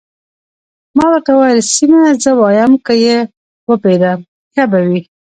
ما ورته وویل: سیمه، زه وایم که يې وپېرم، ښه به وي.